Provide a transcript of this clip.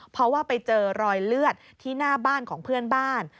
เพราะว่าไปเจอรอยเลือดที่หน้าบ้านของเพื่อนบ้าน